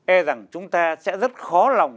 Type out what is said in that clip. e rằng chúng ta sẽ rất khó lòng